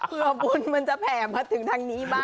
เพื่อบุญมันจะแผ่มาถึงทางนี้บ้าง